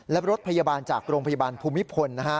และรถพยาบาลจากโรงพยาบาลภูมิพล